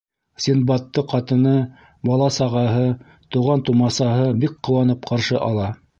Синдбадты ҡатыны, бала-сағаһы, туған-тыумасаһы бик ҡыуанып ҡаршы ала.